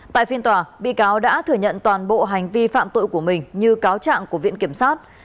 tại phiên tòa bị cáo đã thừa nhận toàn bộ hành vi phạm tội của mình như cáo trạng của viện kiểm sát